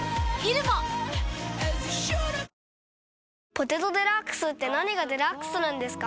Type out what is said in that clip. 「ポテトデラックス」って何がデラックスなんですか？